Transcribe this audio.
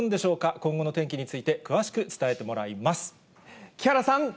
今後の天気について詳しく伝えてもらいます。